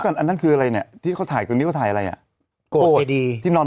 นั่นคืออะไรเนี่ยที่เขาถ่ายตรงนี้ก็ถ่ายอะไร